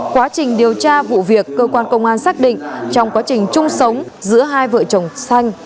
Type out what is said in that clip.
quá trình điều tra vụ việc cơ quan công an xác định trong quá trình chung sống giữa hai vợ chồng xanh